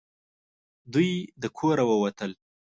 دوی د کوره ووتل .